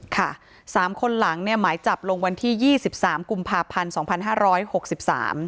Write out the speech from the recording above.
ค่ะสามคนหลังเนี่ยหมายจับลงวันที่ยี่สิบสามกุมภาพันธ์สองพันห้าร้อยหกสิบสาม